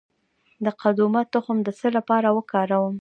د قدومه تخم د څه لپاره وکاروم؟